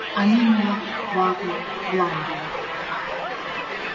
"Animula, vagula, blandula."